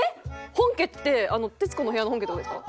本家って『徹子の部屋』の本家って事ですか？